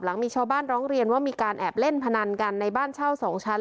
มีชาวบ้านร้องเรียนว่ามีการแอบเล่นพนันกันในบ้านเช่า๒ชั้น